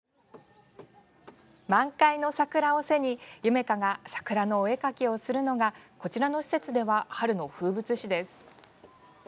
満開の桜を背にゆめ花が桜のお絵描きをするのがこちらの施設では春の風物詩です。